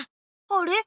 あれ？